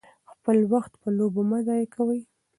خپل وخت په لوبو مه ضایع کوئ.